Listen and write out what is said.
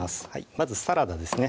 まずサラダですね